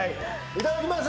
いただきます。